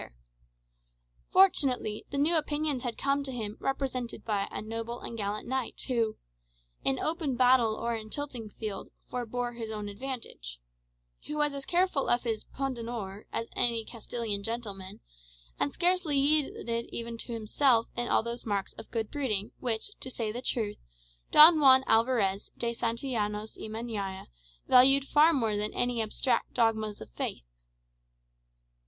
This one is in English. Fortunately, the new opinions had come to him represented by a noble and gallant knight, who "In open battle or in tilting field Forbore his own advantage;" who was as careful of his "pundonor"[#] as any Castilian gentleman, and scarcely yielded even to himself in all those marks of good breeding, which, to say the truth, Don Juan Alvarez de Santillanos y Meñaya valued far more than any abstract dogmas of faith. [#] Point of honour.